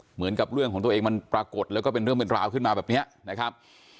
เหมือนกับเรื่องของตัวเองมันปรากฏแล้วก็เป็นเรื่องเป็นราวขึ้นมาแบบนี้นะครับ